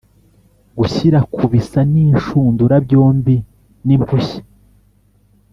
Gushyira ku bisa n inshundura byombi n impushya